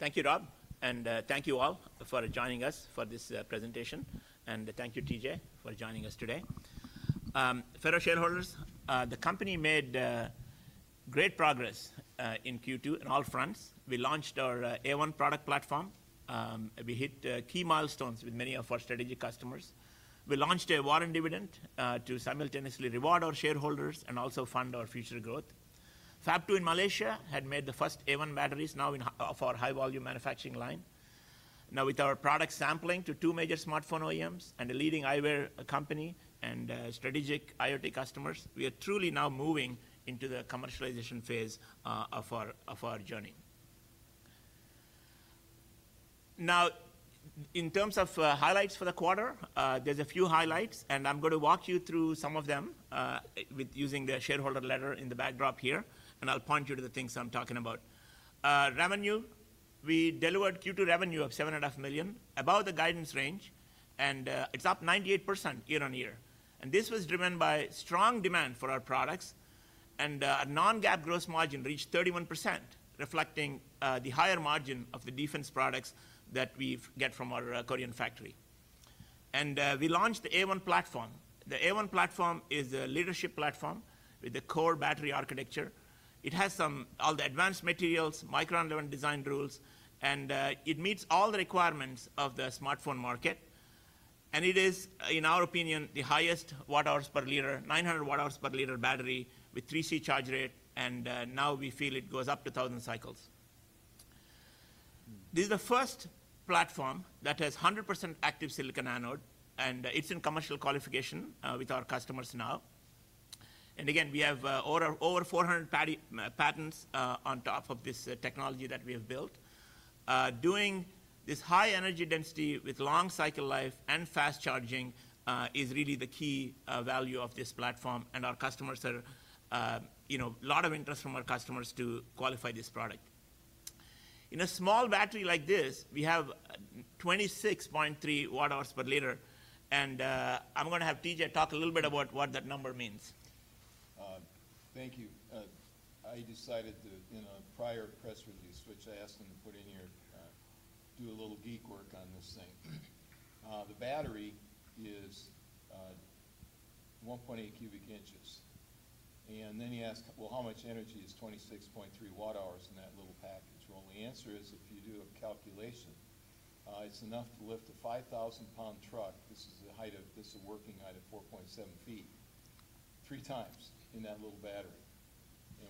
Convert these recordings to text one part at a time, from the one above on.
Thank you, Rob. And thank you all for joining us for this presentation, and thank you, T.J., for joining us today. Fellow shareholders, the company made great progress in Q2 on all fronts. We launched our AI-1 product platform. We hit key milestones with many of our strategic customers. We launched a warrant dividend to simultaneously reward our shareholders and also fund our future growth. Fab 2 in Malaysia has made the first AI-1 batteries now off our high-volume manufacturing line. Now, with our product sampling to two major smartphone OEMs and a leading eyewear company and strategic IoT customers, we are truly now moving into the commercialization phase of our journey. Now, in terms of highlights for the quarter, there's a few highlights, and I'm going to walk you through some of them using the shareholder letter in the backdrop here, and I'll point you to the things I'm talking about. Revenue. We delivered Q2 revenue of $7.5 million, above the guidance range, and it's up 98% year-on-year. This was driven by strong demand for our products, and non-GAAP gross margin reached 31%, reflecting the higher margin of the defense products that we get from our Korean factory. We launched the AI-1 platform. The AI-1 platform is a leadership platform with the core battery architecture. It has all the advanced materials, micron design rules, and it meets all the requirements of the smartphone market. It is, in our opinion, the highest watt-hours per liter, 900 watt-hours per liter battery with 3C charge rate. Now, we feel it goes up to 1,000 cycles. This is the first platform that has 100% active silicon anode, and it's in commercial qualification with our customers now. We have over 400 patents on top of this technology that we have built. Doing this high energy density with long cycle life and fast charging is really the key value of this platform. Our customers are, you know, a lot of interest from our customers to qualify this product in a small battery like this. We have 26.3 watt-hours per liter. I'm going to have T.J. talk a little bit about what that number means. Thank you. I decided to, in a prior press release which I asked him to put in here, do a little geek work on this thing. The battery is 1.8 cubic inches. He asked, how much energy is 26.3 watt-hours in that little package? The answer is, if you do a calculation, it's enough to lift a 5,000-pound truck the height of this working height of 4.7 feet three times in that little battery.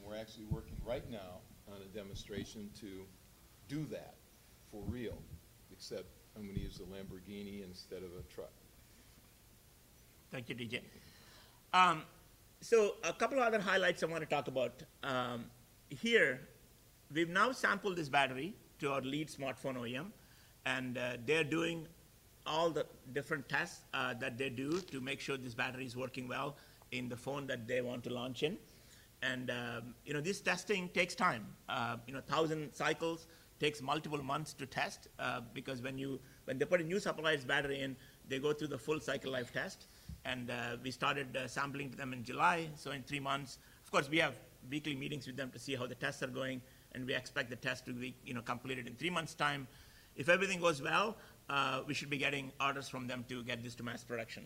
We're actually working right now on a demonstration to do that for real. Except I'm going to use a Lamborghini instead of a truck. Thank you, T.J. A couple of other highlights I want to talk about here. We've now sampled this battery to our lead smartphone OEM and they're doing all the different tests that they do to make sure this battery is working well in the phone that they want to launch in. This testing takes time, 1,000 cycles, takes multiple months to test, because when they put a new supply battery in, they go through the full cycle life test. We started sampling them in July. In three months, we have weekly meetings with them to see how the tests are going. We expect the test to be completed in three months' time. If everything goes well, we should be getting orders from them to get this to mass production.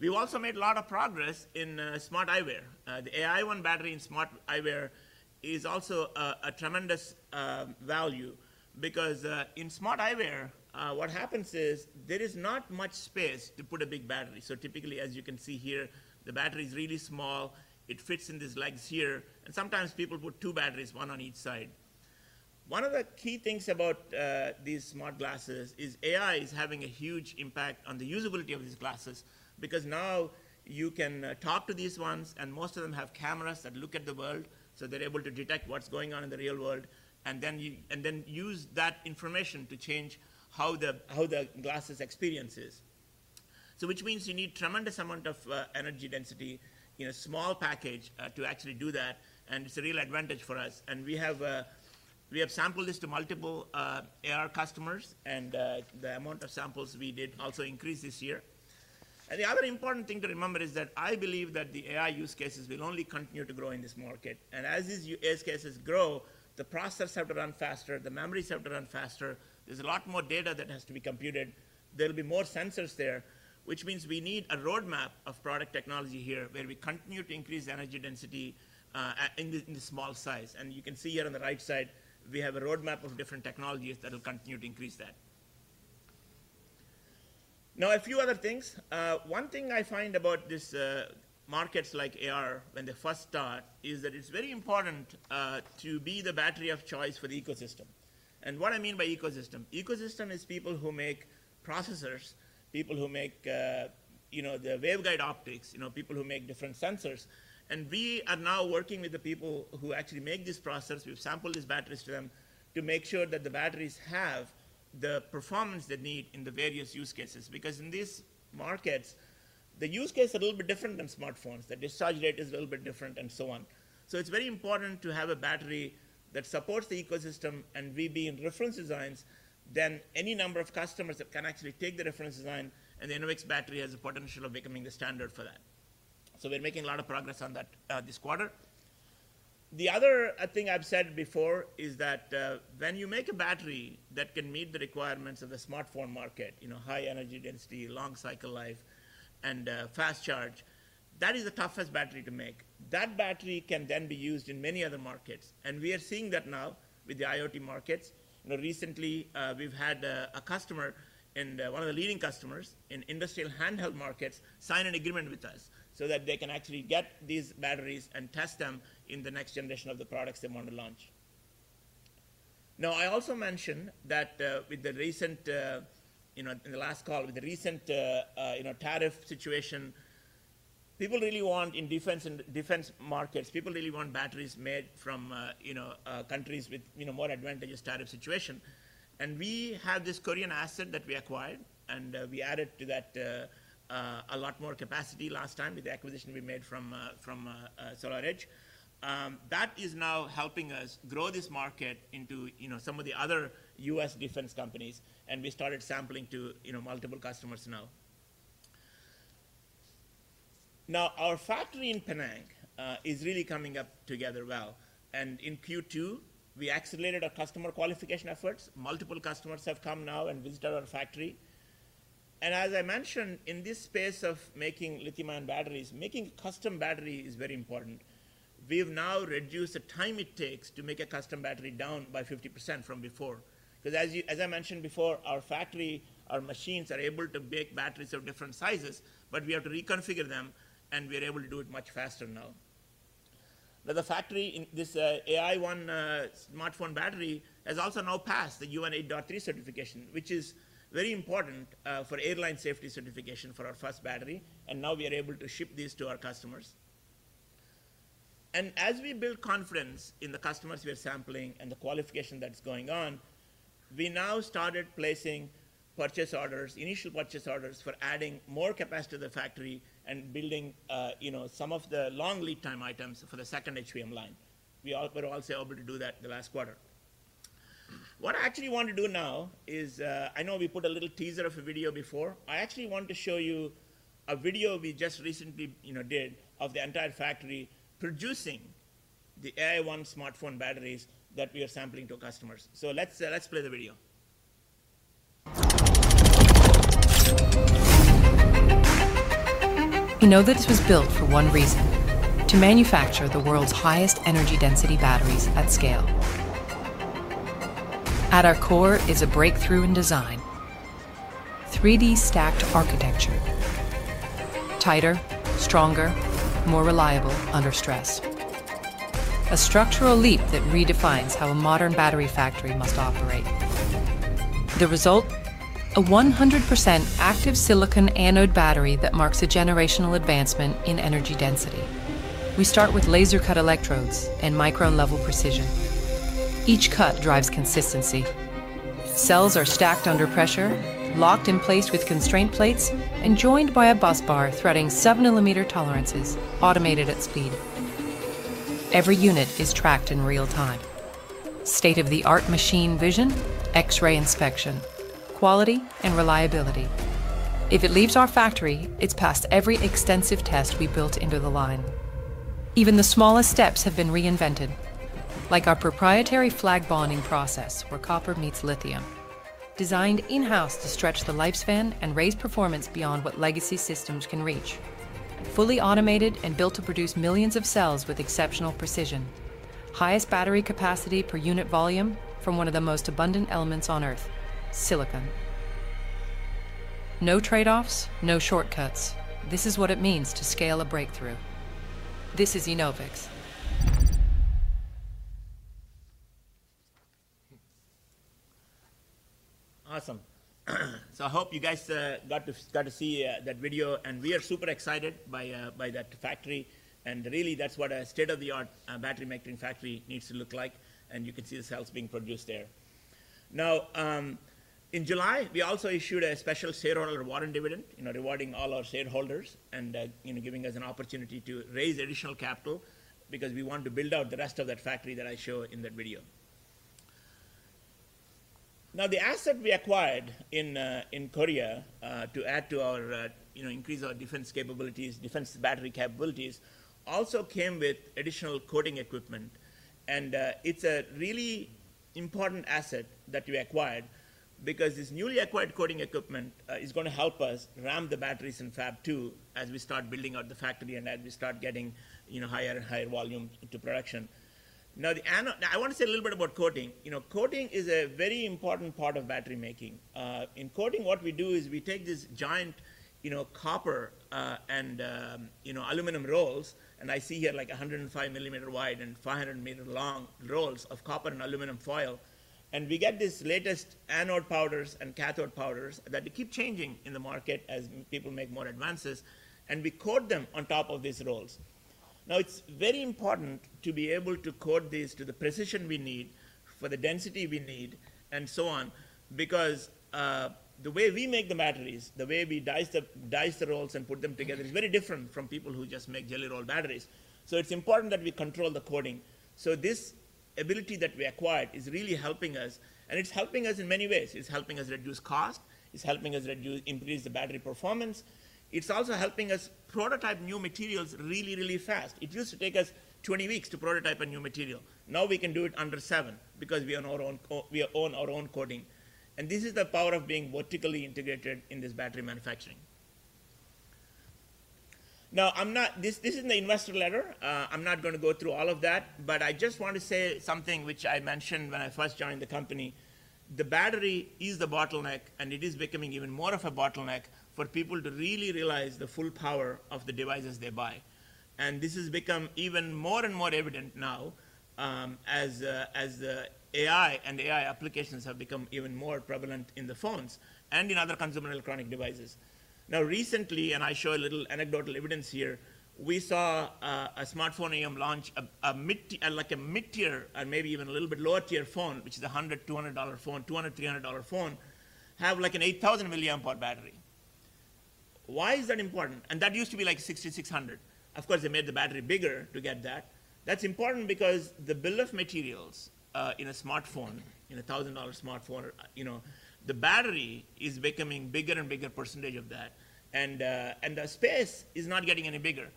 We also made a lot of progress in smart eyewear. The AI-1 battery in smart eyewear is also a tremendous value, because in smart eyewear, what happens is there is not much space to put a big battery. Typically, as you can see here, the battery is really small. It fits in these legs here. Sometimes people put two batteries, one on each side. One of the key things about these smart glasses is AI is having a huge impact on the usability of these glasses because now you can talk to these ones. Most of them have cameras that look at the world, so they're able to detect what's going on in the real world and then use that information to change how the glasses experience is. This means you need a tremendous amount of energy density in a small package to actually do that. It's a real advantage for us. We have sampled this to multiple AR customers and the amount of samples we did also increased this year. The other important thing to remember is that I believe that the AI use cases will only continue to grow in this market. As these cases grow, the processors have to run faster, the memories have to run faster. There's a lot more data that has to be computed. There will be more sensors there, which means we need a roadmap of product technology here, where we continue to increase energy density in the small size. You can see here on the right side, we have a roadmap of different technologies that will continue to increase that. One thing I find about these markets like AR when they first start is that it's very important to be the battery of choice for the ecosystem. What I mean by ecosystem, ecosystem is people who make processors, people who make the waveguide optics, people who make different sensors. We are now working with the people who actually make this process. We've sampled these batteries to them to make sure that the batteries have the performance they need in the various use cases. In these markets, the use case is a little bit different than smartphones, the discharge rate is a little bit different and so on. It is very important to have a battery that supports the ecosystem. We be in reference designs than any number of customers that can actually take the reference design. The Enovix battery has a potential of becoming the standard for that. We're making a lot of progress on that this quarter. The other thing I've said before is that when you make a battery that can meet the requirements of the smartphone market, high energy density, long cycle life and fast charge, that is the toughest battery to make. That battery can then be used in many other markets. We are seeing that now with the IoT markets. Recently we've had a customer and one of the leading customers in industrial handheld markets sign an agreement with us so that they can actually get these batteries and test them in the next generation of the products they want to launch. I also mentioned that with the recent, in the last call, with the recent tariff situation, people really want in defense and defense markets, people really want batteries made from countries with more advantageous tariff situation. We have this Korean asset that we acquired and we added to that a lot more capacity last time with the acquisition we made from SolarEdge that is now helping us grow this market into some of the other U.S. defense companies. We started sampling to multiple customers now. Our factory in Penang is really coming up together well. In Q2, we accelerated our customer qualification efforts. Multiple customers have come now and visited our factory. As I mentioned, in this space of making lithium-ion batteries, making custom battery is very important. We've now reduced the time it takes to make a custom battery down by 50% from before because as I mentioned before, our factory, our machines are able to make batteries of different sizes, but we have to reconfigure them and we are able to do it much faster now. The factory, this AI-1 smartphone battery, has also now passed the UN 38.3 certification, which is very important for airline safety certification for our first battery. Now we are able to ship these to our customers. As we build confidence in the customers, we are sampling and the qualification that's going on. We now started placing purchase orders, initial purchase orders for adding more capacity to the factory and building some of the long lead time items for the second HVM line. We were also able to do that the last quarter. What I actually want to do now is I know we put a little teaser of a video before. I actually want to show you a video we just recently did of the entire factory producing the AI-1 smartphone batteries that we are sampling to customers. Let's play the video. We know that this was built for one reason: to manufacture the world's highest energy density battery at scale. At our core is a breakthrough in design—3D stacked architecture. Tighter, stronger, more reliable under stress. A structural leap that redefines how a modern battery factory must operate. The result: a 100% active silicon anode battery that marks a generational advancement in energy density. We start with laser-cut electrodes and micron-level precision. Each cut drives consistency. Cells are stacked under pressure, locked in place with constraint plates, and joined by a bus bar. Threading 7-millimeter tolerances, automated at speed. Every unit is tracked in real-time. State-of-the-art machine vision, X-ray inspection, quality, and reliability. If it leaves our factory, it's passed every extensive test we built into the line. Even the smallest steps have been reinvented, like our proprietary flag bonding process where copper meets lithium. Designed in-house to stretch the lifespan and raise performance beyond what legacy systems can reach. Fully automated and built to produce millions of cells with exceptional precision. Highest battery capacity per unit volume from one of the most abundant elements on earth, silicon. No tradeoffs, no shortcuts. This is what it means to scale a breakthrough. This is Enovix. Awesome. I hope you guys got to see that video. We are super excited by that factory. That is what a state-of-the-art battery manufacturing factory needs to look like. You can see the cells being produced there now. In July, we also issued a special shareholder warrant dividend, rewarding all our shareholders and giving us an opportunity to raise additional capital because we want to build out the rest of that factory that I show in that video. Now, the asset we acquired in Korea to increase our defense battery capabilities also came with additional coating equipment. It is a really important asset that we acquired because this newly acquired coating equipment is going to help us ramp the batteries in Fab 2 as we start building out the factory and as we start getting higher and higher volume into production. Now, I want to say a little bit about coating. Coating is a very important part of battery making. In coating, what we do is we take these giant copper and aluminum rolls, and I see here like 105 millimeter wide and 500-meter-long rolls of copper and aluminum foil, and we get these latest anode powders and cathode powders that keep changing in the market as people make more advances. We coat them on top of these rolls. It is very important to be able to coat these to the precision we need for the density we need and so on. The way we make the batteries, the way we dice the rolls and put them together, is very different from people who just make jelly roll batteries. It is important that we control the coating. This ability that we acquired is really helping us, and it is helping us in many ways. It is helping us reduce cost, it is helping us increase the battery performance, and it is also helping us prototype new materials really, really fast. It used to take us 20 weeks to prototype a new material. Now we can do it under seven because we own our own coating. This is the power of being vertically integrated in this battery manufacturing. This is the investor letter. I am not going to go through all of that. I just want to say something which I mentioned when I first joined the company. The battery is the bottleneck, and it is becoming even more of a bottleneck for people to really realize the full power of the devices they buy. This has become even more and more evident now as the AI and AI applications have become even more prevalent in the phones and in other consumer electronic devices. Recently, and I show a little anecdotal evidence here, we saw a smartphone OEM launch like a mid-tier and maybe even a little bit lower-tier phone, which is a $100-$200 phone, $200-$300 phone, have like an 8000 milliamp-hour battery. Why is that important? That used to be like 6600. Of course, they made the battery bigger to get that. That's important because the bill of materials in a smartphone, in a $1,000-smartphone, you know, the battery is becoming a bigger and bigger percentage of that and the space is not getting any bigger.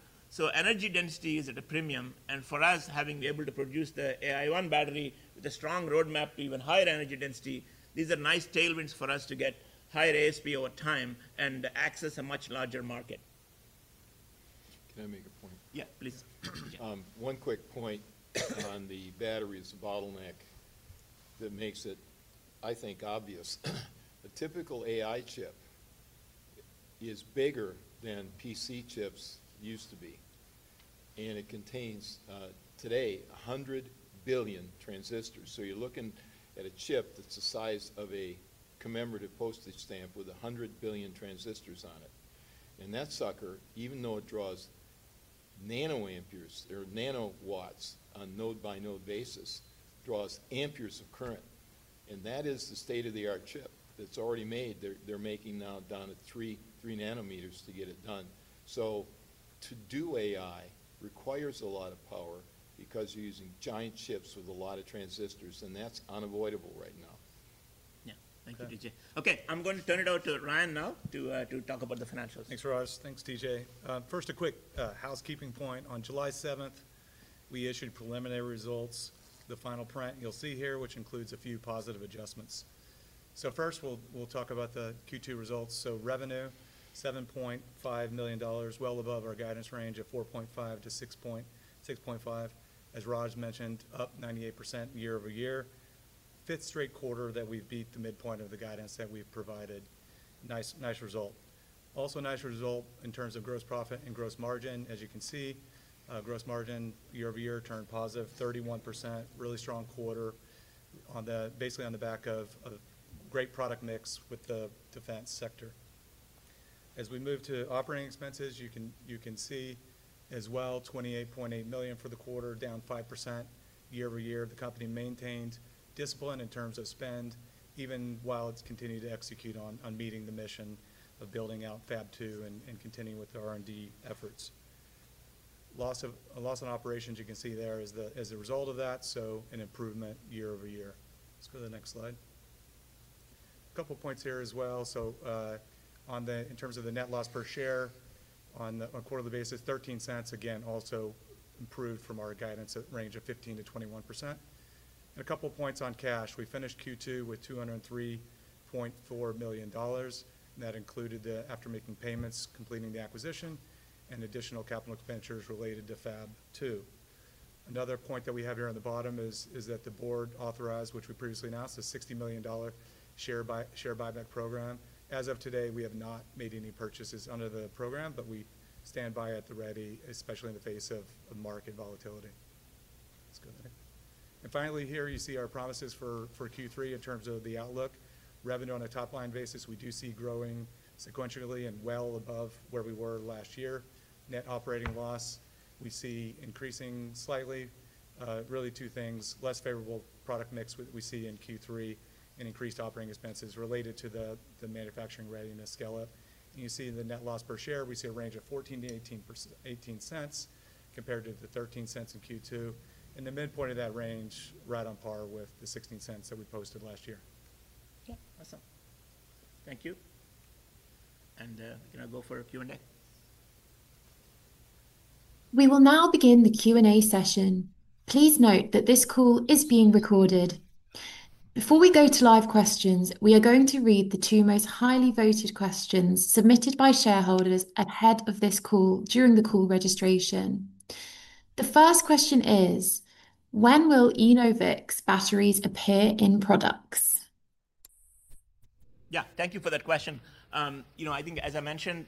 Energy density is at a premium. For us, having been able to produce the AI-1 battery with a strong roadmap to even higher energy density, these are nice tailwinds for us to get higher ASP over time and access a much larger market. Can I make a point? Yeah, please. One quick point on the battery's bottleneck. That makes it, I think, obvious. A typical AI chip is bigger than PC chips used to be, and it contains today 100 billion transistors. You're looking at a chip that's the size of a commemorative postage stamp with 100 billion transistors on it. That sucker, even though it draws nanoamperes or nanowatts on a node-by-node basis, draws amperes of current. That is the state-of-the-art chip that's already made. They're making now down to 3 nanometers to get it done. To do AI requires a lot of power because you're using giant chips with a lot of transistors. That's unavoidable right now. Yeah. Thank you, T.J. Okay, I'm going to turn it over to Ryan now to talk about the financials. Thanks, Raj. Thanks, T.J. First, a quick housekeeping point. On July 7th, we issued preliminary results, the final print you'll see here, which includes a few positive adjustments. First, we'll talk about the Q2 results. Revenue $7.5 million, well above our guidance range of $4.5 to $6.5 million. As Raj mentioned, up 98% year-over-year. Fifth straight quarter that we beat the midpoint of the guidance that we've provided. Nice, nice result. Also nice result in terms of gross profit and gross margin. As you can see, gross margin year over year turned positive, 31%. Really strong quarter, basically on the back of a great product mix with the defense sector. As we move to operating expenses, you can see as well $28.8 million for the quarter, down 5% year-over-year. The company maintained discipline in terms of spend even while it's continued to execute on meeting the mission of building out Fab 2 and continuing with the R&D efforts. Loss in operations, you can see there as a result of that. An improvement year-over-year. Let's go to the next slide. Couple points here as well. In terms of the net loss per share on a quarterly basis, $0.13, again, also improved from our guidance range of $0.15 to $0.21. A couple points on cash. We finished Q2 with $203.4 million, and that included the after making payments, completing the acquisition, and additional capital expenditures related to Fab 2. Another point that we have here on the bottom is that the board authorized, which we previously announced, the $60 million share buyback program. As of today, we have not made any purchases under the program, but we stand by at the ready, especially in the face of market volatility. Let's go ahead. Finally, here you see our promises for Q3 in terms of the outlook. Revenue on a top-line basis we do see growing sequentially and well above where we were last year. Net operating loss we see increasing slightly. Really two things: less favorable product mix we see in Q3 and increased operating expenses related to the manufacturing readiness scale up. You see the net loss per share; we see a range of $0.14 to $0.18 compared to the $0.13 in Q2, and the midpoint of that range right on par with the $0.16 that we posted last year. Awesome. Thank you. Can I go for a Q&A? We will now begin the Q&A session. Please note that this call is being recorded. Before we go to live questions, we are going to read the two most highly voted questions submitted by shareholders ahead of this call during the call registration. The first question is when will Enovix batteries appear in products? Yeah, thank you for that question. I think as I mentioned,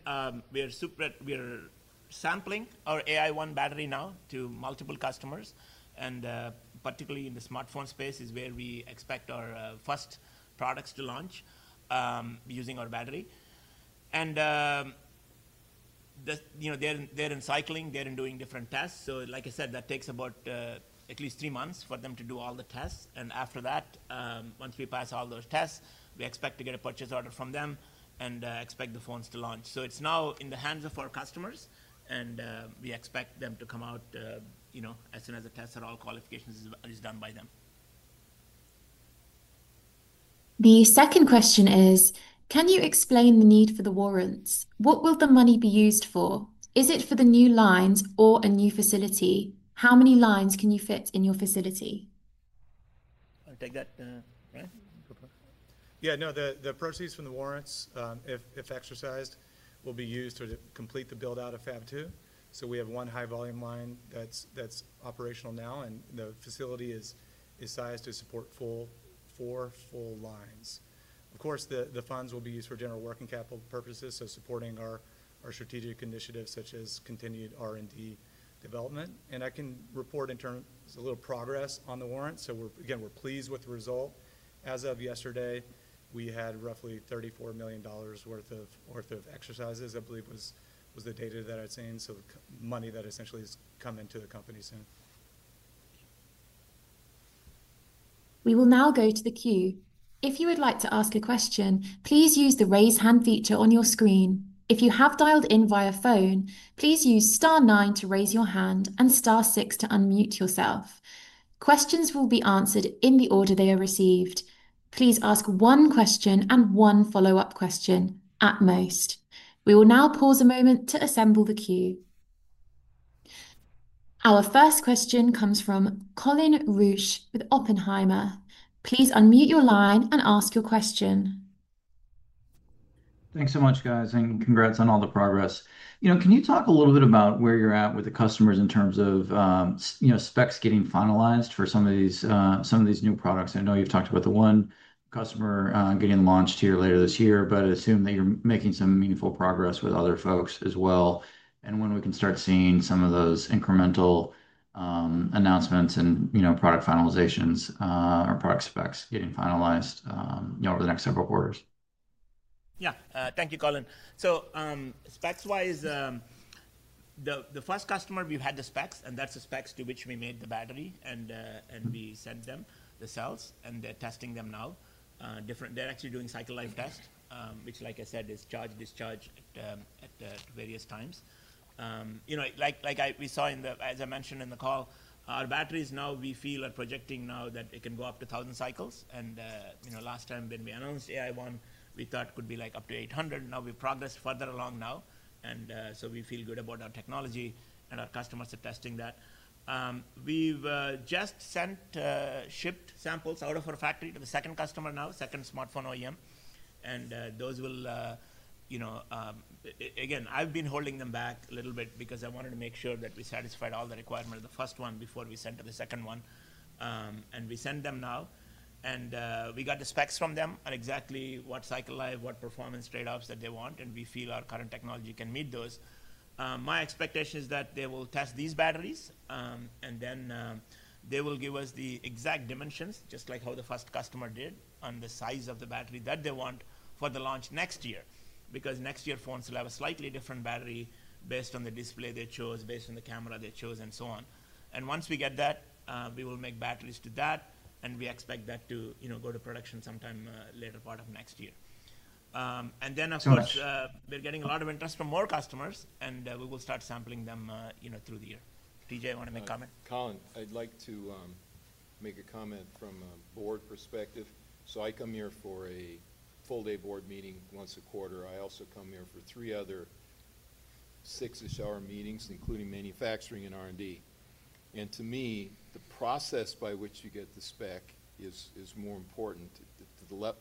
we are super. We are sampling our AI-1 battery now to multiple customers, and particularly in the smartphone space is where we expect our first products to launch using our battery. They're in cycling, they're doing different tests. Like I said, that takes about at least three months for them to do all the tests. After that, once we pass all those tests, we expect to get a purchase order from them and expect the phones to launch. It's now in the hands of our customers, and we expect them to come out as soon as the tests or all qualifications are done by them. The second question is can you explain the need for the warrants? What will the money be used for? Is it for the new lines or a new facility? How many lines can you fit in your facility? I'll take that. Ryan? Yeah. No, the proceeds from the warrants if exercised will be used to complete the build out of Fab 2. We have one high-volume line that's operational now, and the facility is sized to support four full lines. The funds will be used for general working capital purposes, supporting our strategic initiatives such as continued R&D development. I can report in terms of a little progress on the warrant. We're pleased with the result. As of yesterday, we had roughly $34 million worth of exercises, I believe was the data that I'd seen. Money that essentially has come into the company soon. We will now go to the queue. If you would like to ask a question, please use the "Raise Hand" feature on your screen. If you have dialed in via phone, please use star nine to raise your hand and star six to unmute yourself. Questions will be answered in the order they are received. Please ask one question and one follow-up question at most. We will now pause a moment to assemble the queue. Our first question comes from Colin Rusch with Oppenheimer. Please unmute your line and ask your question. Thanks so much, guys, and congrats on all the progress. Can you talk a little bit about where you're at with the customers in terms of specs getting finalized for some of these new products? I know you've talked about the one customer getting launched here later this year. I assume that you're making some meaningful progress with other folks as well and when we can start seeing some of those incremental announcements and product finalizations or product specs getting finalized over the next several quarters. Yeah, thank you, Colin. Specs-wise, the first customer, we've had the specs and that's the specs to which we made the battery and we sent them the cells and they're testing them now. They're actually doing cycle life test, which like I said is charge//discharge at various times. Like we saw in the, as I mentioned in the call, our batteries now, we feel, are projecting now that it can go up to 1,000 cycles. Last time when we announced AI-1, we thought could be like up to 800. Now we progressed further along and we feel good about our technology and our customers are testing that. We've just shipped samples out of our factory to the second customer, second smartphone OEM, and those will, you know, again, I've been holding them back a little bit because I wanted to make sure that we satisfied all the requirements of the first one before we send to the second one, and we sent them now and we got the specs from them on exactly what cycle life, what performance trade-offs that they want, and we feel our current technology can meet those. My expectation is that they will test these batteries and then they will give us the exact dimensions just like how the first customer did on the size of the battery that they want for the launch next year because next year phones will have a slightly different battery based on the display they chose, based on the camera they chose and so on. Once we get that, we will make batteries to that and we expect that to go to production sometime later, part of next year. Of course, we're getting a lot of interest from more customers and we will start sampling them through the year. T.J., wanna make a comment? Colin, I'd like to make a comment from a Board perspective. I come here for a full-day board meeting once a quarter. I also come here for three other six-ish hour meetings, including manufacturing and R&D. To me, the process by which you get the spec is more important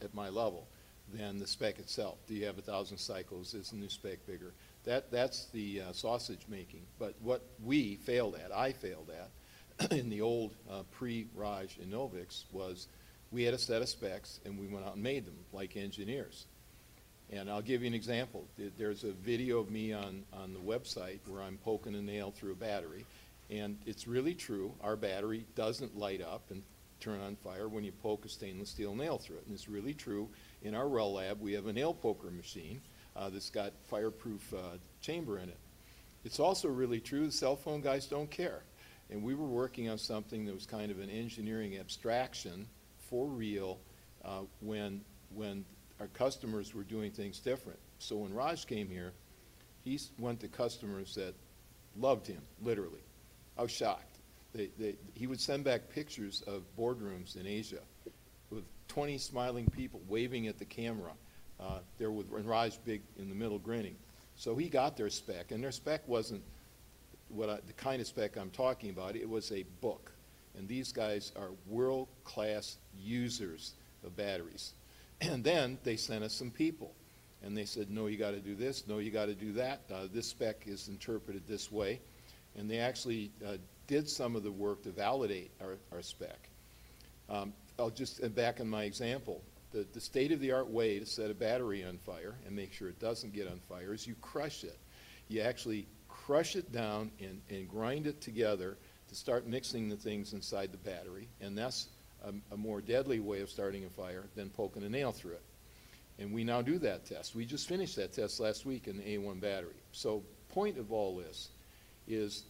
at my level than the spec itself. Do you have a thousand cycles? Is the new spec bigger? That's the sausage making. What we failed at, I failed at in the old pre-Raj Enovix was we had a set of specs and we went out and made them like engineers. I'll give you an example. There's a video of me on the website where I'm poking a nail through a battery. It's really true our battery doesn't light up and turn on fire when you poke a stainless steel nail through it. It's really true. In our reliability lab we have a nail-poker machine that's got a fireproof chamber in it. It's also really true cell phone guys don't care. We were working on something that was kind of an engineering abstraction for real when our customers were doing things different. When Raj came here, he went to customers that loved him. Literally, I was shocked. He would send back pictures of boardrooms in Asia with 20 smiling people waving at the camera there and Raj in the middle grinning. He got their spec. Their spec wasn't the kind of spec I'm talking about, it was a book. These guys are world-class users of batteries. They sent us some people and they said, "No, you gotta do this. No, you gotta do that. This spec is interpreted this way. They actually did some of the work to validate our spec. Back in my example, the state-of-the-art way to set a battery on fire and make sure it doesn't get on fire is you crush it. You actually crush it down and grind it together to start mixing the things inside the battery. That's a more deadly way of starting a fire than poking a nail through it. We now do that test. We just finished that test last week in the AI-1 battery. The point of all this is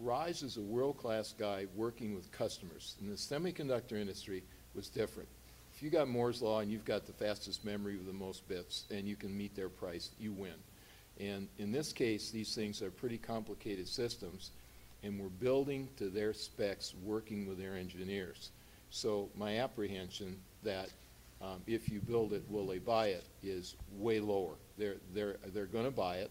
Raj is a world class guy. Working with customers in the semiconductor industry was different. If you got Moore's Law and you've got the fastest memory with the most bits and you can meet their price, you win. In this case, these things are pretty complicated systems and we're building to their specs, working with their engineers. My apprehension that if you build it, will they buy it is way lower. They're going to buy it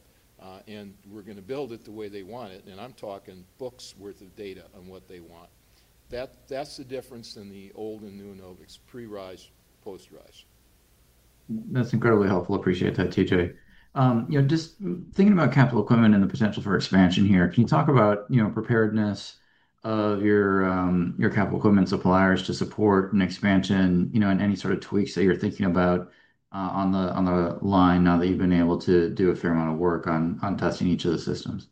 and we're going to build it the way they want it. I'm talking books worth of data on what they want. That's the difference in the old and new Enovix pre-Raj, post-Raj. That's incredibly helpful. Appreciate that. T.J., just thinking about capital equipment and the potential for expansion here. Can you talk about preparedness of your capital equipment suppliers to support an expansion, and any sort of tweaks that you're thinking about on the line now that you've been able to do a fair amount of work on testing each of the systems?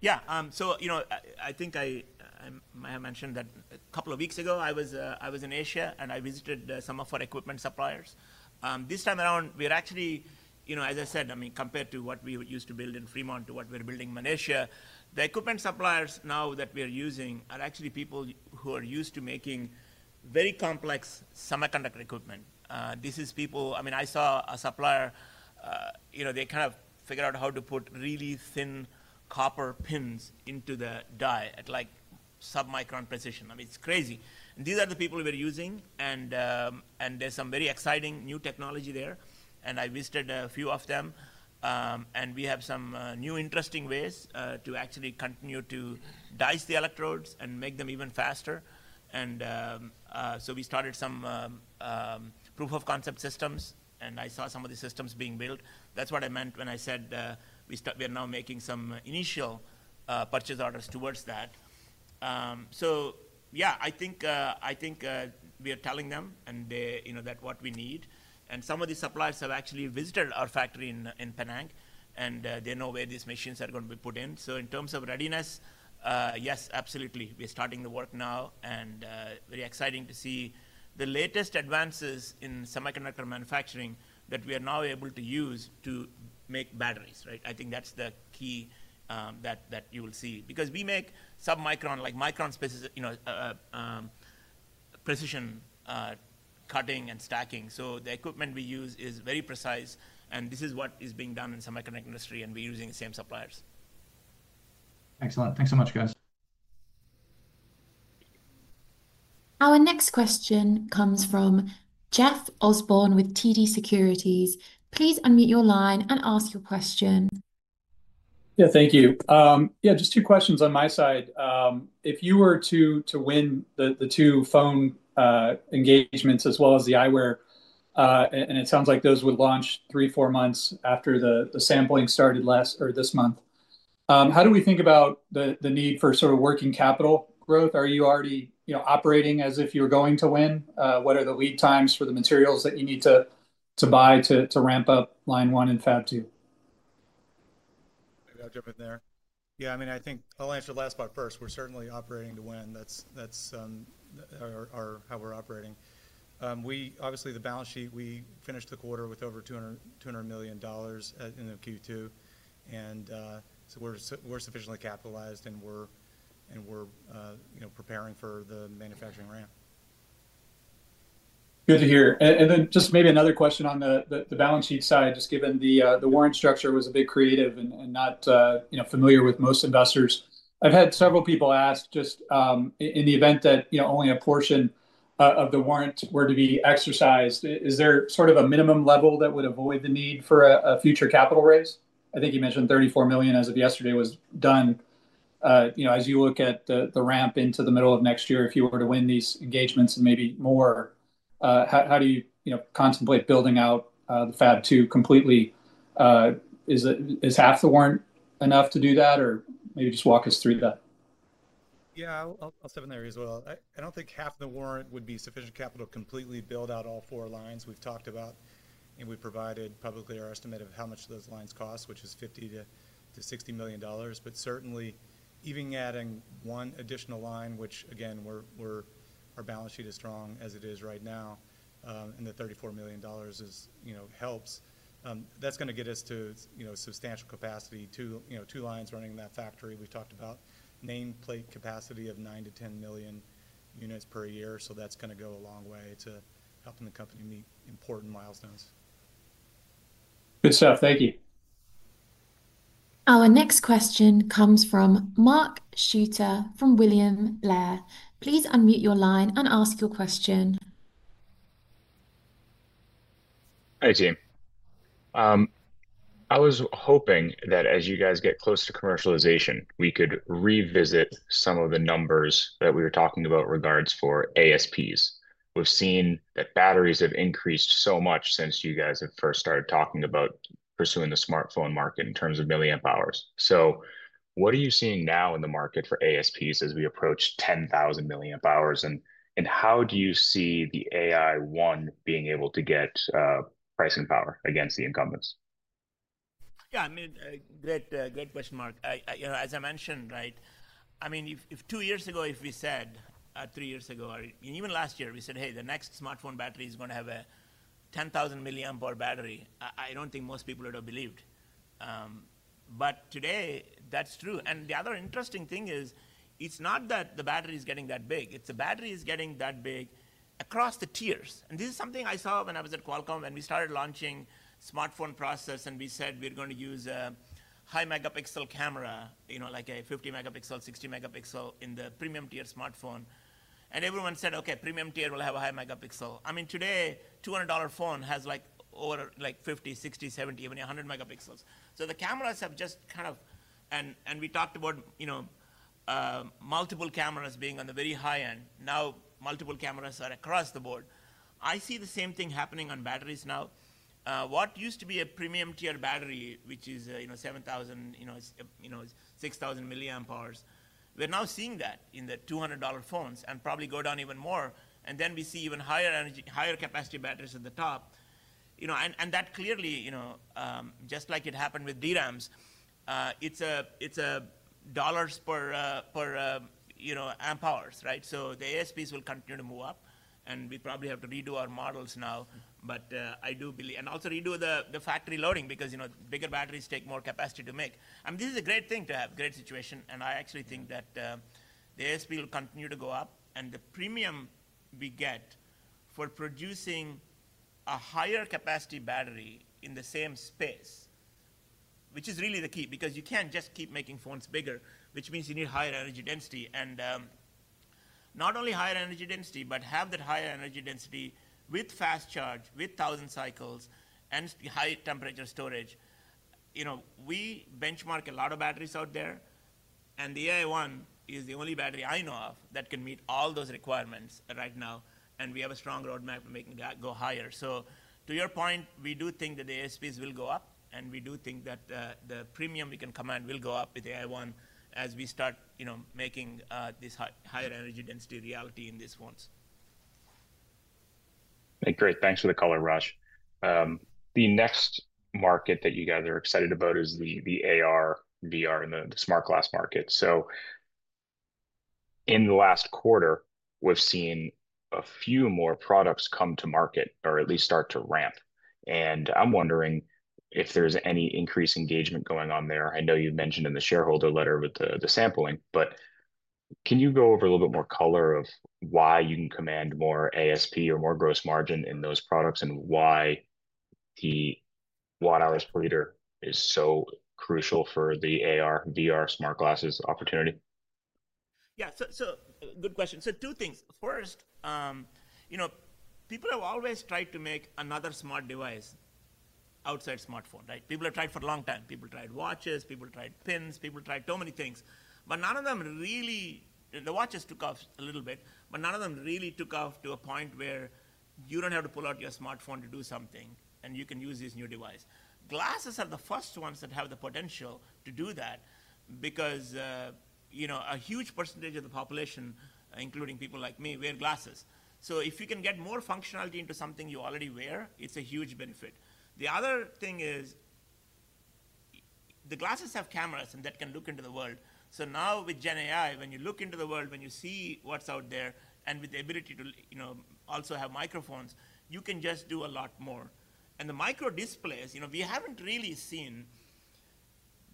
Yeah, so you know, I think I may have mentioned that a couple of weeks ago I was in Asia and I visited some of our equipment suppliers. This time around we're actually, you know, as I said, I mean compared to what we used to build in Fremont, to what we're building in Malaysia, the equipment suppliers now that we are using are actually people who are used to making very complex semiconductor equipment. These are people. I mean I saw a supplier, you know, they kind of figured out how to put really thin copper pins into the die at like sub-micron precision. I mean it's crazy. These are the people we're using and there's some very exciting new technology there. I visited a few of them and we have some new interesting ways to actually continue to dice the electrodes and make them even faster. We started some proof-of-concept systems and I saw some of the systems being built. That's what I meant when I said we are now making some initial purchase orders towards that. Yeah, I think we are telling them what we need. Some of the suppliers have actually visited our factory in Penang and they know where these machines are going to be put in. In terms of readiness, yes, absolutely. We are starting the work now and it's very exciting to see the latest advances in semiconductor manufacturing that we are now able to use to make batteries. Right. I think that's the key that you will see because we make sub-micron, like micron-specific precision cutting and stacking. The equipment we use is very precise and this is what is being done in the semiconductor industry and we're using the same suppliers. Excellent. Thanks so much, guys. Our next question comes from Jeff Osborne with TD Securities. Please unmute your line and ask your question. Yeah, thank you. Just two questions on my side. If you were to win the two phone engagements as well as the eyewear, and it sounds like those would launch three, four months after the sampling started last or this month, how do we think about the need for sort of working capital growth? Are you already operating as if you're going to win? What are the lead times for the materials that you need to buy to ramp up line one and Fab 2? Maybe I'll jump in there. Yeah, I mean, I think I'll answer the last part first. We're certainly operating to win. That's how we're operating. Obviously, the balance sheet, we finished the quarter with over $200 million in Q2. We're sufficiently capitalized and we're preparing for the manufacturing ramp. Good to hear. Maybe another question on the balance sheet side. Given the warrant structure was a bit creative and not familiar with most investors, I've had several people ask, just in the event that only a portion of the warrant were to be exercised, is there sort of a minimum level that would avoid the need for future capital? I think you mentioned $34 million as of yesterday was done. As you look at the ramp into the middle of next year, if you were to win these engagements and maybe more, how do you contemplate building out Fab 2 completely? Is half the warrant enough to do that or maybe just walk us through that? Yeah, I'll step in there as well. I don't think half the warrant would be sufficient capital to completely build out all four lines we've talked about, and we provided publicly our estimate of how much those lines cost, which is $50 to $60 million. Certainly, even adding one additional line, which, again, our balance sheet is strong as it is right now, and the $34 million helps. That's going to get us to substantial capacity, two lines running in that factory. We talked about nameplate capacity of nine to 10 million units per, so that's going to go a long way to helping the company meet important milestones. Good stuff. Thank you. Our next question comes from Mark Shooter from William Blair. Please unmute your line and ask your question. Hey, team. I was hoping that as you guys get close to commercialization, we could revisit some of the numbers that we were talking about. Regarding ASPs, we've seen that batteries have increased so much since you guys have first started talking about pursuing the smartphone market in terms of milliamp hours. What are you seeing now in the market for ASPs as we approach 10,000 milliamp hours? How do you see the AI-1 being able to get pricing power against the incumbents? Yeah, I mean, great question, Mark. As I mentioned, if two years ago, if we said three years ago or even last year, we said, hey, the next smartphone battery is going to have a 10,000 milliamp-hour battery, I don't think most people would have believed, but today that's true. The other interesting thing is it's not that the battery is getting that big, it's the battery is getting that big across the tiers. This is something I saw when I was at Qualcomm and we started launching smartphone processors. We said, we're going to use high megapixel camera, you know, like a 50-megapixel, 60-megapixel in the premium-tier smartphone. Everyone said, okay, premium tier will have a high megapixel. I mean, today a $200 phone has like over 50, 60, 70, even 100 megapixels. The cameras have just kind of—and we talked about, you know, multiple cameras being on the very high end, now multiple cameras are across the board. I see the same thing happening on batteries now. What used to be a premium-tier battery, which is 7,000, 6,000 milliamp hours, we're now seeing that in the $200 phones and probably go down even more. We see even higher-energy, higher-capacity batteries at the top. That clearly, just like it happened with DRAMs, it's a dollars per amp-hours. Right. The ASPs will continue to move up and we probably have to redo our models now, but I do believe, and also redo the factory loading because, you know, bigger batteries take more capacity to make. This is a great thing to have. Great situation. I actually think that the ASP will continue to go up and the premium we get for producing a higher capacity battery in the same space, which is really the key, because you can't just keep making phones bigger, which means you need higher energy density and not only higher energy density, but have that higher energy density with fast charge with 1,000 cycles and high temperature storage. You know, we benchmark a lot of batteries out there and the AI-1 is the only battery I know of that can meet all those requirements right now. We have a strong roadmap to make it go higher. To your point, we do think that the ASPs will go up. We do think that the premium we can command will go up with AI-1 as we start making this higher energy density reality in these phones. Great. Thanks for the color, Raj. The next market that you guys are excited about is the AR/VR and the smart-glass market. In the last quarter we've seen a few more products come to market or at least start to ramp, and I'm wondering if there's any increased engagement going on there. I know you mentioned in the shareholder letter with the sampling, but can you go over a little bit more color of why you can command more ASP or more gross margin in those products and why the watt-hours per liter is so crucial for the AR/VR smart-glasses opportunity? Yeah, good question. Two things. First, you know, people have always tried to make another smart device outside smartphones, right? People have tried for a long time. People tried watches, people tried pins, people tried so many things, but none of them really, the watches took off a little bit, but none of them really took off to a point where you don't have to pull out your smartphone to do something and you can use this new device. Glasses are the first ones that have the potential to do that because a huge percentage of the population, including people like me, wear glasses. If you can get more functionality into something you already wear, it's a huge benefit. The other thing is the glasses have cameras and that can look into the world. Now with GenAI, when you look into the world, when you see what's out there, and with the ability to also have microphones, you can just do a lot more. The micro-displays, we haven't really seen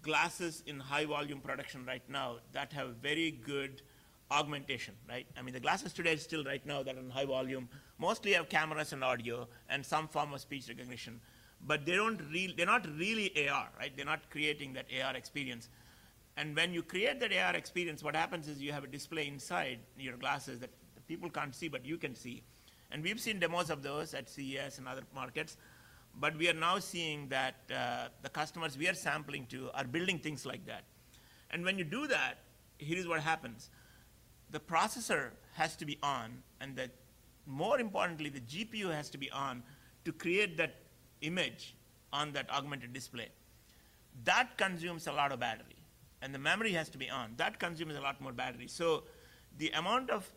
glasses in high-volume production right now that have very good augmentation. The glasses today still right now that are in high volume mostly have cameras and audio and some form of speech recognition, but they're not really AR, right? They're not creating that AR experience. When you create that AR experience, what happens is you have a display inside your glasses that people can't see, but you can see. We've seen demos of those at CES and other markets, but we are now seeing that the customers we are sampling to are building things like that. When you do that, here's what happens. The processor has to be on and more importantly, the GPU has to be on to create that image on that augmented display. That consumes a lot of battery and the memory has to be on. That consumes a lot more battery. The amount of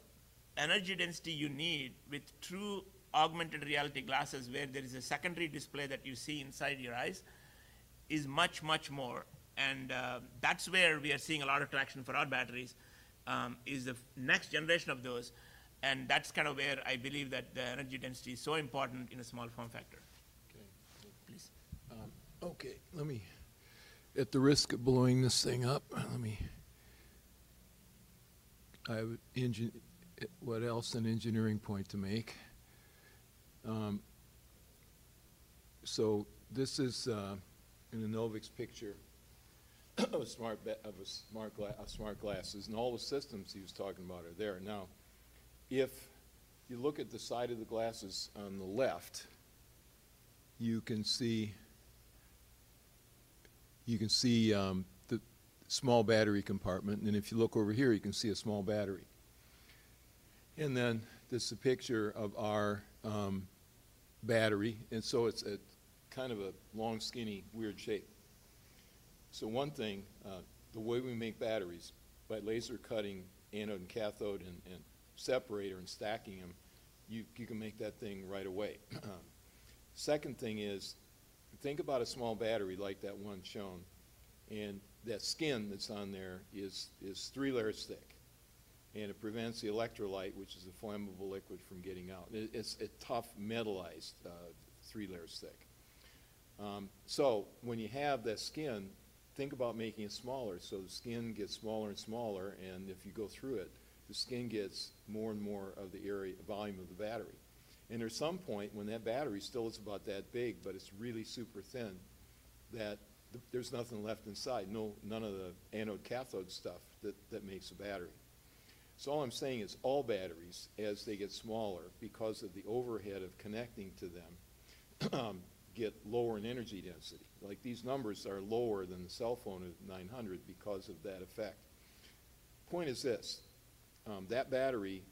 energy density you need with true augmented reality glasses, where there is a secondary display that you see inside, inside your eyes, is much, much more. That's where we are seeing a lot of traction for our batteries, is the next generation of those. That's kind of where I believe that the energy density is so important in a small form factor. At the risk of blowing this thing up, let me. One other engineering point to make. This is an Enovix picture. Smart glasses. All the systems he was talking about are there. If you look at the side of the glasses on the left, you can see the small battery compartment. If you look over here, you can see a small battery. This is a picture of our battery. It's kind of a long, skinny, weird shape. One thing, the way we make batteries, by laser cutting anode and cathode and separator and stacking them, you can make that thing right away. Second thing is, think about a small battery like that one shown, and that skin that's on there is three layers thick. It prevents the electrolyte, which is a flammable liquid, from getting out. It's a tough, metalized, three layers thick. When you have that skin, think about making it smaller. The skin gets smaller and smaller. If you go through it, the skin gets more and more of the area volume of the battery. At some point, when that battery still is about that big, but it's really super thin, there's nothing left inside. None of the anode/cathode stuff that makes a battery. All I'm saying is all batteries, as they get smaller because of the overhead of connecting to them, get lower in energy density. These numbers are lower than the cell phone at 900 because of that effect. Point is this. That battery,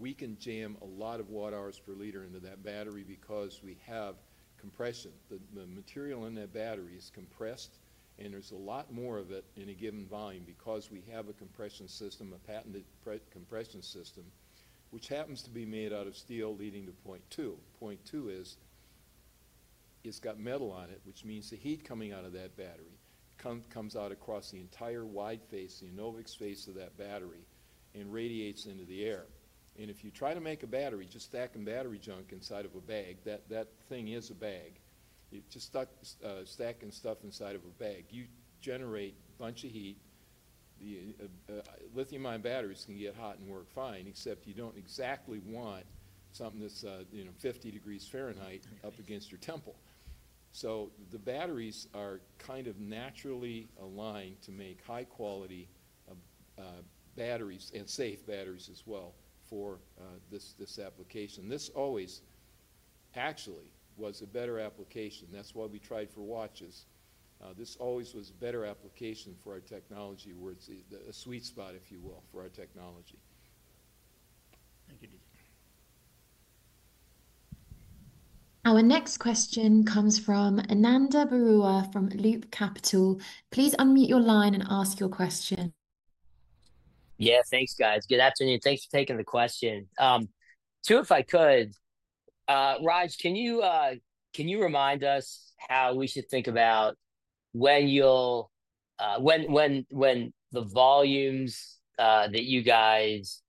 we can jam a lot of watt-hours per liter into that battery because we have compression. The material in that battery is compressed and there's a lot more of it in a given volume because we have a compression system, a patented compression system, which happens to be made out of steel, leading to point two. Point two is it's got metal on it, which means the heat coming out of that battery comes out across the entire wide face, the Enovix face of that battery, and radiates into the air. If you try to make a battery just stacking battery junk in a stack of a bag, that thing is a bag. Just stacking stuff inside of a bag, you generate a bunch of heat. Lithium-ion batteries can get hot and work fine, except you don't exactly want something that's 50 degrees Fahrenheit up against your temple. The batteries are kind of naturally aligned to make high-quality batteries and safe batteries. For this application, this always actually was a better application. That's why we tried for watches. This always was a better application for our technology where it's a sweet spot, if you will, for our technology. Thank you. Our next question comes from Ananda Baruah from Loop Capital. Please unmute your line and ask your question. Yeah, thanks guys. Good afternoon. Thanks for taking the question. Two if I could, Raj, can you remind us how we should think about when you'll, when the volumes that you guys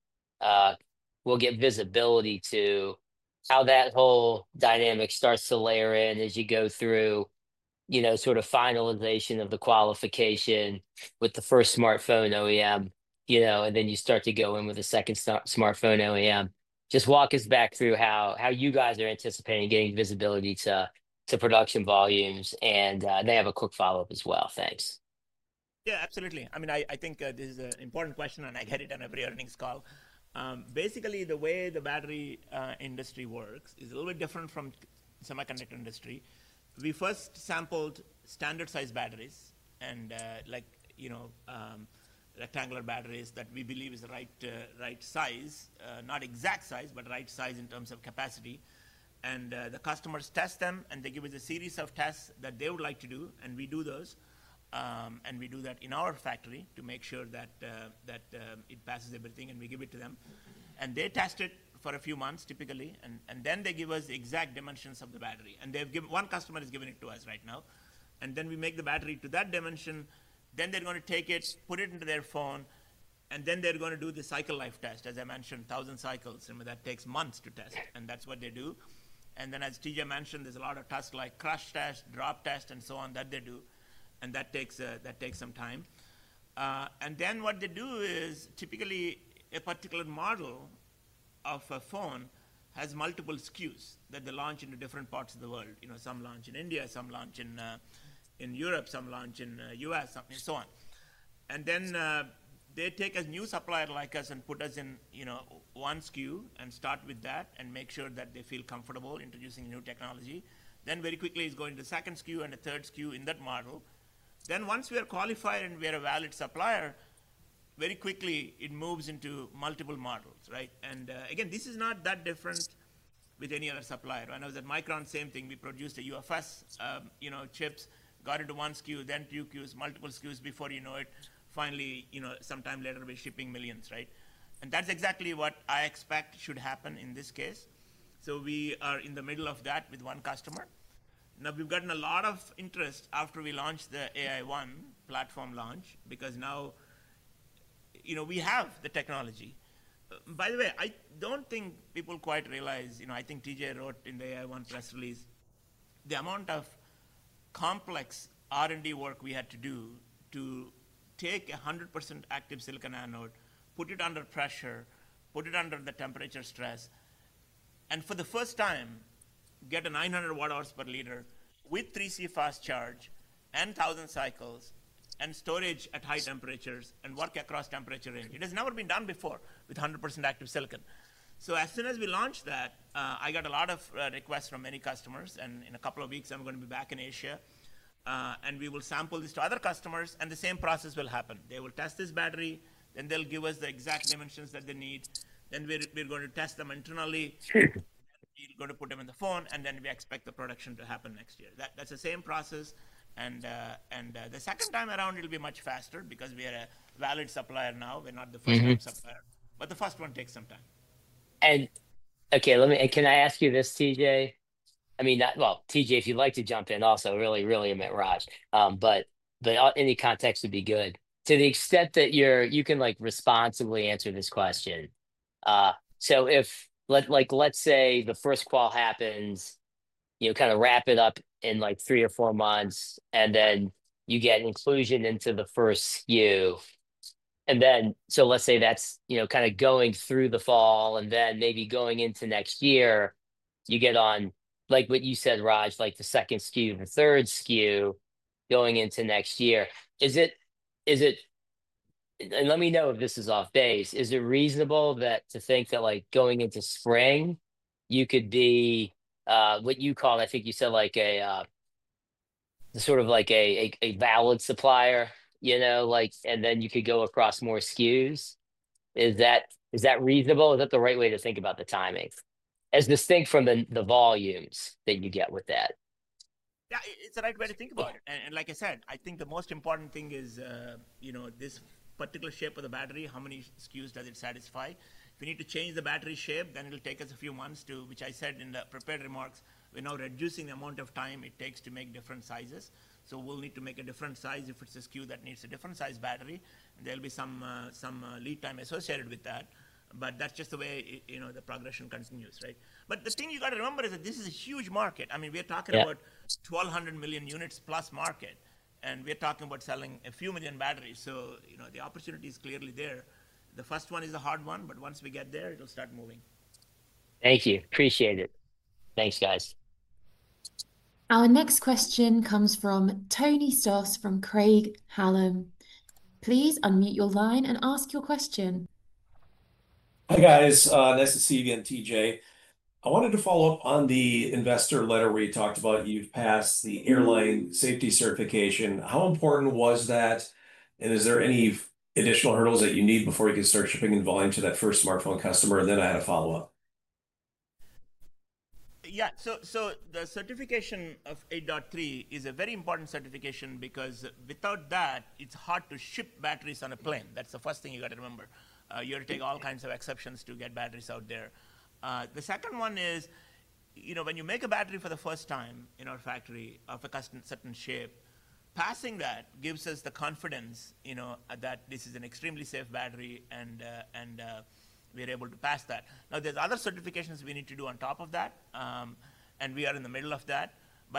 will get visibility to, how that whole dynamic starts to layer in as you go through sort of finalization of the qualification with the first smartphone OEM, you know, and then you start to go in with a second smartphone OEM. Just walk us back through how you guys are anticipating getting visibility to production volumes. I have a quick follow-up as well. Thanks. Yeah, absolutely. I mean, I think this is an important question and I get it on every earnings call. Basically, the way the battery industry works is a little bit different from the semiconductor industry. We first sampled standard-size batteries and, like, you know, rectangular batteries that we believe is the right size, not exact size, but right size in terms of capacity. The customers test them and they give us a series of tests that they would like to do. We do those and we do that in our factory to make sure that it passes everything. We give it to them and they test it for a few months typically. They give us the exact dimensions of the battery and they've given, one customer has given it to us right now. We make the battery to that dimension, they are going to take it, put it into their phone, and then they are going to do the cycle life test. As I mentioned, thousand cycles, that takes months to test. That is what they do. As T.J. mentioned, there are a lot of tests like crash test, drop test, and so on that they do. That takes some time. What they do is typically a particular model of a phone has multiple SKUs that they launch into different parts of the world. Some launch in India, some launch in Europe, some launch in the U.S., and so on. They take a new supplier like us and put us in one SKU and start with that and make sure that they feel comfortable introducing new technology. Very quickly, it is going to second SKU and the third SKU in that model. Once we are qualified and we are a valid supplier, very quickly it moves into multiple models. This is not that different with any other supplier. When I was at Micron, same thing, we produced UFS chips, got into one SKU, then two SKUs, multiple SKUs. Before you know it, finally, you know, sometime later we are shipping millions, right? That is exactly what I expect should happen in this case. We are in the middle of that with one customer now. We have gotten a lot of interest after we launched the AI-1 platform launch because now we have the technology. By the way, I don't think people quite realize, I think T.J. wrote in the AI-1 press release. The amount of complex R&D work we had to do to take 100% active silicon anode, put it under pressure, put it under the temperature stress, and for the first time get a 900 Wh/L with 3C fast charge and 1,000 cycles and storage at high temperatures and work across temperature range. It has never been done before with 100% active silicon. As soon as we launched that, I got a lot of requests from many customers, and in a couple of weeks I'm going to be back in Asia and we will sample this to other customers and the same process will happen. They will test this battery and they'll give us the exact dimensions that they need. We're going to test them internally, going to put them in the phone, and we expect the production to happen next year. That's the same process. The second time around it'll be much faster because we are a valid supplier now, we're not the first-time supplier, but the first one takes some time. Okay, can I ask you this, T.J.? T.J., if you'd like to jump in also. Really, reel in there, Raj. Any context would be good to the extent that you can responsibly answer this question. If, let's say, the first qual happens, you kind of wrap it up in three or four months and then you get inclusion into the first SKU. Let's say that's going through the fall and then maybe going into next year you get on, like you said, Raj, the second SKU, the third SKU going into next year. Is it reasonable to think that going into spring you could be what you call, I think you said, a sort of valid supplier, you know, and then you could go across more SKUs? Is that reasonable? Is that the right way to think about the timing as distinct from the volumes that you get with that? Yeah, it's the right way to think about it. Like I said, I think the most important thing is this particular shape of the battery. How many SKUs does it satisfy? If you need to change the battery shape, then it will take us a few months, which I said in the prepared remarks. We're now reducing the amount of time it takes to make different sizes. We'll need to make a different size. If it's a SKU that needs a different size battery, there'll be some lead time associated with that. That's just the way the progression comes. The thing you got to remember is that this is a huge market. I mean, we're talking about 1.2 billion unit-plus market and we're talking about selling a few million batteries. The opportunity is clearly there. The first one is a hard one, but once we get there, it'll start moving. Thank you. Appreciate it. Thanks, guys. Our next question comes from Tony Stoss from Craig-Hallum. Please unmute your line and ask your question. Hi, guys, nice to see you again. T.J., I wanted to follow up on the investor letter where you talked about you've passed the airline safety certification. How important was that, and is there any additional hurdles that you need before you can start shipping in volume to that first smartphone customer? I had a follow-up. Yeah. The certification of UN 38.3 is a very important certification because without that, it's hard to ship batteries on a plane. That's the first thing you got to remember. You're taking all kinds of exceptions to get batteries out there. The second one is, you know, when you make a battery for the first time in our factory of a certain shape, passing that gives us the confidence, you know, that this is an extremely safe battery and we're able to pass that. Now there's other certifications we need to do on top of that, and we are in the middle of that.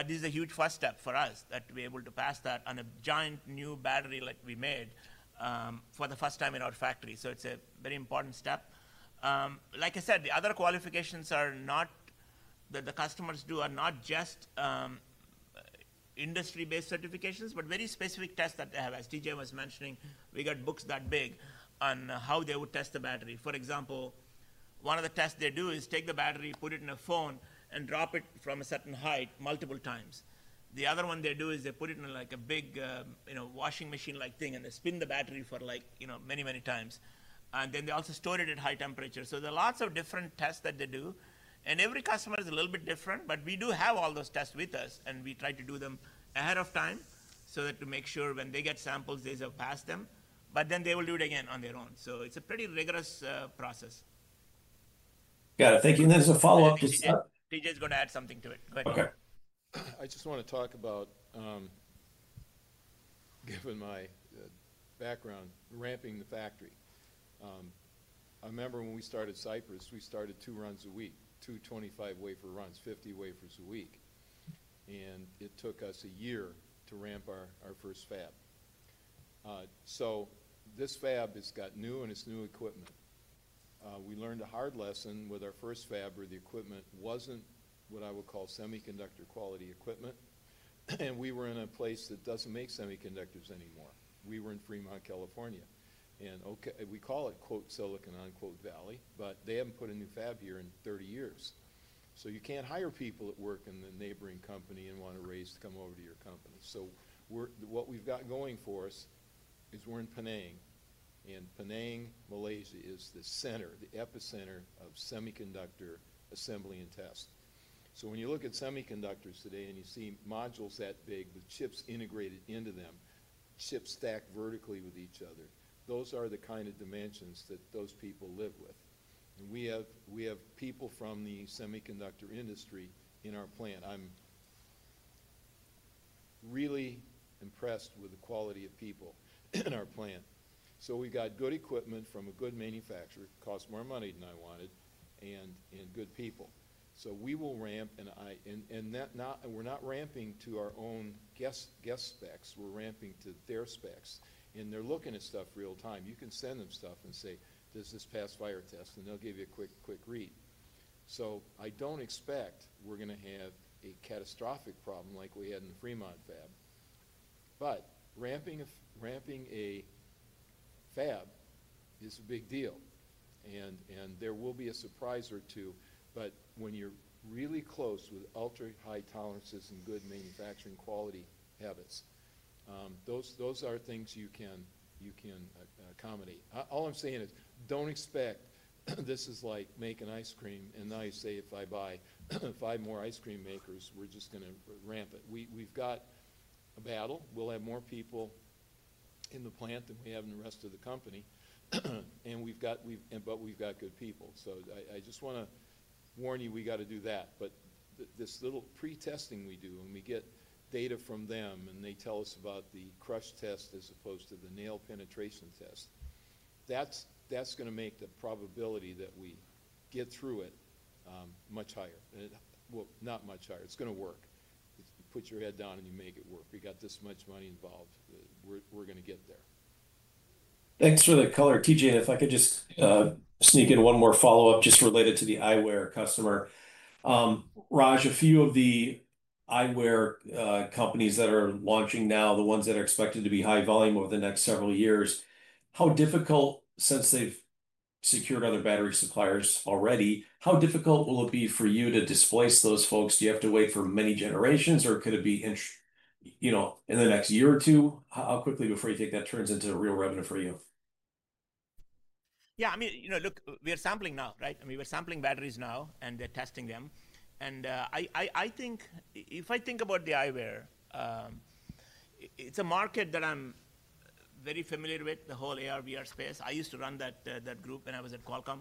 This is a huge first step for us that we're able to pass that on a giant new battery like we made for the first time in our factory. It's a very important step. Like I said, the other qualifications that the customers do are not just industry-based certifications, but very specific tests that they have. As T.J. Rodgers was mentioning, we got books that big on how they would test the battery. For example, one of the tests they do is take the battery, put it in a phone and drop it from a certain height multiple times. The other one they do is they put it in like a big washing machine-like thing and they spin the battery for many, many times and then they also store it at high temperature. There are lots of different tests that they do and every customer is a little bit different. We do have all those tests with us and we try to do them ahead of time to make sure when they get samples they pass them, but then they will do it again on their own. It's a pretty rigorous process. Got it. Thank you. As a follow-up, T.J.'s going to add something to it. Okay. I just want to talk about, given my background, ramping the factory. I remember when we started Cypress, we started two runs a week, two 25-wafer runs, 50 wafers a week. It took us a year to ramp our first fab. This fab has got new and it's new equipment. We learned a hard lesson with our first fab where the equipment wasn't what I would call semiconductor quality equipment. We were in a place that doesn't make semiconductors anymore. We were in Fremont, California, and we call it "Silicon" Valley. They haven't put a new fab here in 30 years. You can't hire people that work in the neighboring company and want a raise to come over to your company. What we've got going for us is we're in Penang. Penang, Malaysia is the center, the epicenter of semiconductor assembly and test. When you look at semiconductors today and you see modules that big with chips integrated into them, chips stack vertically with each other. Those are the kind of dimensions that those people live with. We have people from the semiconductor industry in our plant. I'm really impressed with the quality of people in our plant. We got good equipment from a good manufacturer, cost more money than I wanted, and good people. We will ramp. We're not ramping to our own guest specs, we're ramping to their specs. They're looking at stuff, real-time. You can send them stuff and say, does this pass fire test? They'll give you a quick read. I don't expect we're going to have a catastrophic problem like we had in the Fremont fab. Ramping a fab is a big deal and there will be a surprise or two. When you're really close with ultra high tolerances and good manufacturing quality habits, those are things you can accommodate. All I'm saying is don't expect this is like making ice cream. Now you say if I buy five more ice cream makers, we're just going to ramp it. We've got a battle. We'll have more people in the plant than we have in the rest of the company. We've got good people. I just want to warn you, we got to do that. This little pre-testing we do and we get data from them and they tell us about the crush test as opposed to the nail penetration test, that's going to make the probability that we get through it much higher. It's going to work. Put your head down and you make it work. We got this much money involved. We're going to get there. Thanks for the color, T.J. If I could just sneak in one more follow-up. Just related to the eyewear customer, Raj, a few of the eyewear companies that are launching now, the ones that are expected to be high volume over the next several years, how difficult, since they've secured other battery suppliers already, how difficult will it be for you to displace those folks? Do you have to wait for many generations or could it be, you know, in the next year or two, how quickly before you take that turns into real revenue for you? Yeah, I mean, you know, look, we are sampling now, right? I mean, we're sampling batteries now and they're testing them. I think, if I think about the eyewear, it's a market that I'm very familiar with, the whole AR/VR space. I used to run that group when I was at Qualcomm.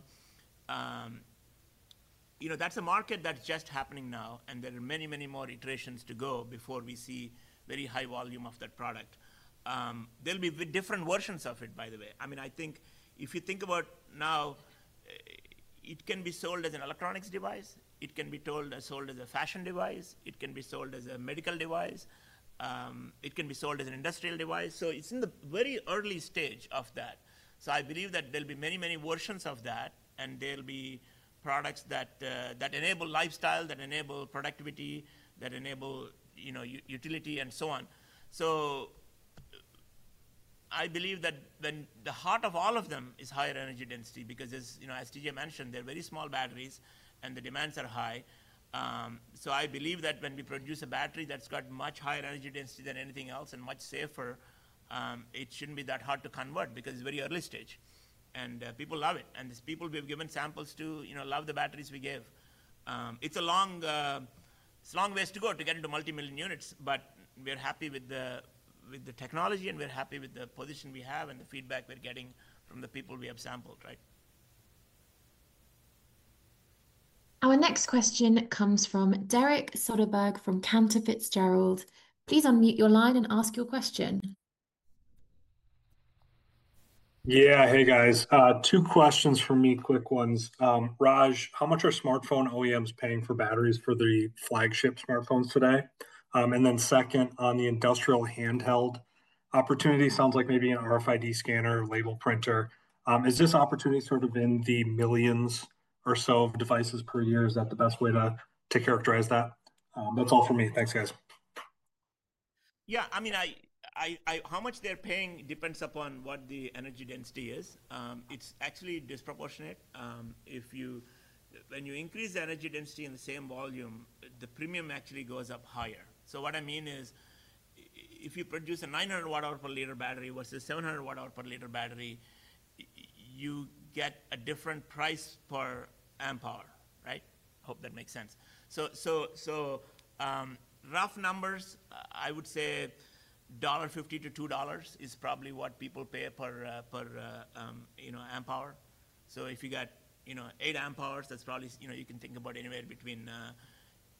That's a market that's just happening now. There are many, many more iterations to go before we see very high volume of that product. There'll be different versions of it, by the way. I think if you think about now, it can be sold as an electronics device, it can be sold as a fashion device, it can be sold as a medical device, it can be sold as an industrial device. It's in the very early stage of that. I believe that there'll be many, many versions of that and there'll be products that enable lifestyle, that enable productivity, that enable utility, and so on. I believe that the heart of all of them is higher energy density because as T.J. mentioned, they're very small batteries and the demands are high. I believe that when we produce a battery that's got much higher energy density than anything else and much safer, it shouldn't be that hard to convert because it's very early stage and people love it. These people we've given samples to love the batteries we give. It's a long ways to go to get into multi-million units. We're happy with the technology and we're happy with the position we have and the feedback we're getting from the people we have sampled. Right. Our next question comes from Derek Soderberg from Cantor Fitzgerald. Please unmute your line and ask your question. Yeah. Hey guys, two questions for me. Quick ones. Raj, how much are smartphone OEMs paying for batteries for the flagship smartphones today? Second, on the industrial handheld. Opportunity sounds like maybe an RFID scanner, label printer. Is this opportunity sort of in the millions or so of devices per year? Is that the best way to characterize that? That's all for me. Thanks, guys. Yeah, I mean, how much they're paying depends upon what the energy density is. It's actually disproportionate. When you increase energy density in the same volume, the premium actually goes up higher. What I mean is if you produce a 900 Wh/L battery versus a 700 Wh/L battery, you get a different price per amp hour. Right. Hope that makes sense. Rough numbers, I would say $1.50-$2 is probably what people pay per amp hour. If you got 8 amp-hours, that's probably you can think about anywhere between,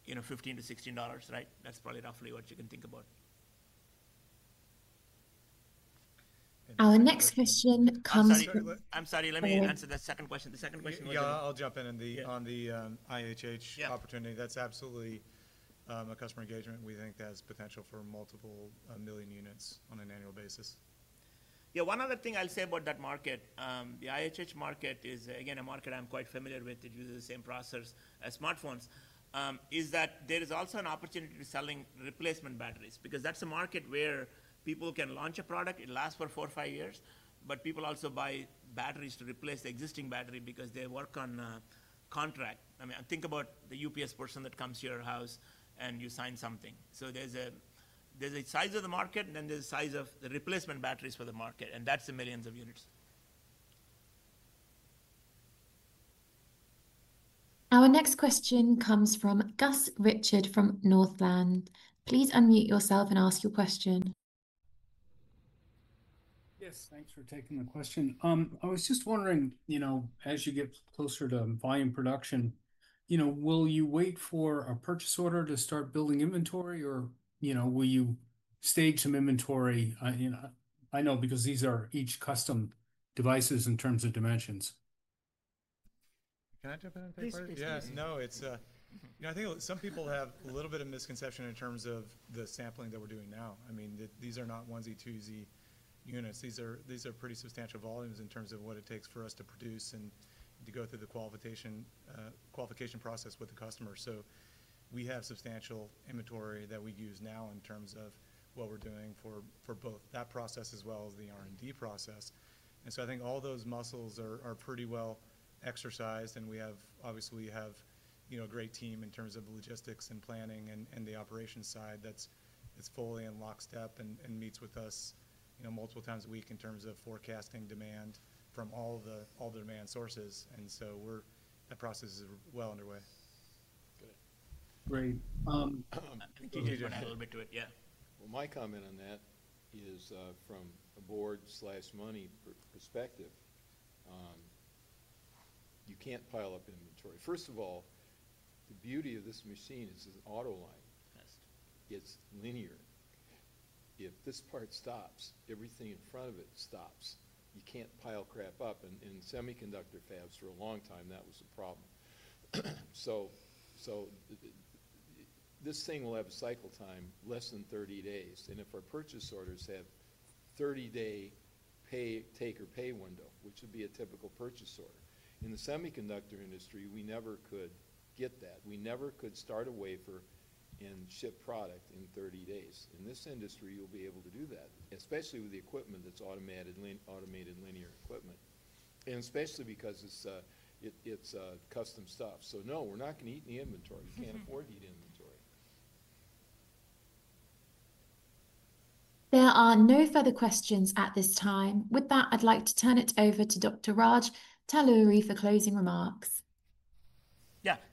you know, $15-$16. Right. That's probably roughly what you can think about. Our next question comes. I'm sorry, let me answer the second question. Yeah, I'll jump in on the IHH opportunity. That's absolutely a customer engagement. We think that has potential for multiple million units on an annual basis. Yeah. One other thing I'll say about that market, the IHH market is again a market, I'm quite familiar with it. You use the same process as smartphones. There is also an opportunity to selling replacement batteries, because that's a market where people can launch a product, it lasts for four or five years, but people also buy batteries to replace the existing battery because they work on contract. Think about the UPS person that comes to your house and you sign something. There's a size of the market and then there's the size of the replacement batteries for the market, and that's the millions of units. Our next question comes from Gus Richard from Northland. Please unmute yourself and ask your question. Yes, thanks for taking the question. I was just wondering, as you get closer to volume production, will you wait for a purchase order to start building inventory, or will you stage some inventory? I know these are each custom devices in terms of dimensions. Can I jump in? Yes. No, it's. I think some people have a little bit of misconception in terms of the sampling that we're doing now. I mean, these are not onesie-twosie units. These are pretty substantial volumes in terms of what it takes for us to produce and to go through the qualification process with the customer. We have substantial inventory that we use now in terms of what we're doing for both that process as well as the R&D process. I think all those muscles are pretty well exercised and we obviously have, you know, a great team in terms of logistics and planning and the operations side that's fully in lockstep and meets with us, you know, multiple times a week in terms of forecasting demand from all the demand sources. That process is well underway. Great. A little bit to it, yeah. From a board-slash-money perspective, you can't pile up inventory. The beauty of this machine is an auto line. It's linear. If this part stops, everything in front of it stops. You can't pile crap up in semiconductor fabs for a long time. That was the problem. This thing will have a cycle time less than 30 days. If our purchase orders have a 30-day take or pay window, which would be a typical purchase order in the semiconductor industry, we never could get that. We never could start a wafer in and ship product in 30 days. In this industry you'll be able to do that, especially with the equipment that's automated, linear equipment, and especially because it's custom stuff. No, we're not going to eat in the inventory. We can't afford to eat inventory. There are no further questions at this time. With that, I'd like to turn it over to Dr. Raj Talluri for closing remarks.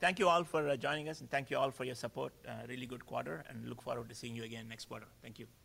Thank you all for joining us and thank you all for your support. Really good quarter and look forward to seeing you again next quarter. Thank you.